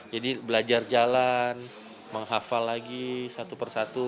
jadi belajar jalan menghafal lagi satu per satu